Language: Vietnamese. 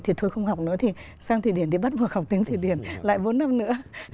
thì thôi không học nữa thì sang thụy điển thì bắt buộc học tiếng thụy điển lại bốn năm nữa